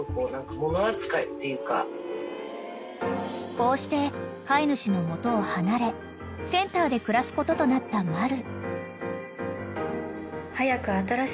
［こうして飼い主の元を離れセンターで暮らすこととなったマル］